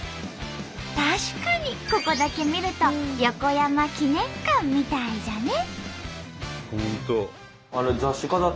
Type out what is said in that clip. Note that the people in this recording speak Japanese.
確かにここだけ見ると横山記念館みたいじゃね！